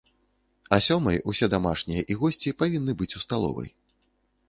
А сёмай усе дамашнія і госці павінны быць у сталовай.